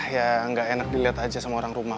ya nggak enak dilihat aja sama orang rumah